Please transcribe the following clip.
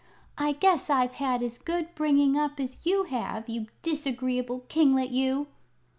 "I guess I've had as good bringing up as you have, you disagreeable kinglet, you!"